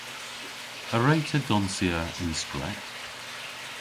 A wre'ta donsya y'n stret?